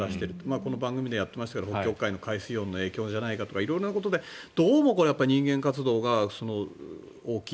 この番組でもやっていましたが北極海の海水温の影響じゃないかとか色んなことでどうもこれは人間活動が大きい。